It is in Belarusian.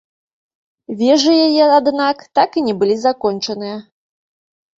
Вежы яе, аднак, так і не былі закончаныя.